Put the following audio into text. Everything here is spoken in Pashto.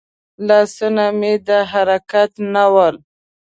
لاسونه مې د حرکت نه ول.